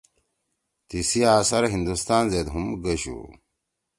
تیِسی اثر ہندوستان زید ہُم گَشُو